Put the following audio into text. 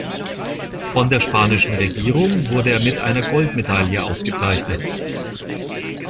Von der spanischen Regierung wurde er mit einer Goldmedaille ausgezeichnet.